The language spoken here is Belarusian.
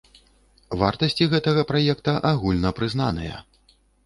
Вартасці гэтага праекта агульна прызнаныя.